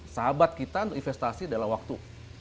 sahabat kita untuk investasi dalam waktu